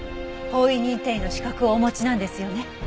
法医認定医の資格をお持ちなんですよね？